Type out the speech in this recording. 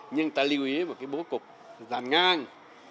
nhưng ta lưu ý một cái bố cục dàn ngang